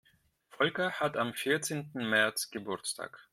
Volker hat am vierzehnten März Geburtstag.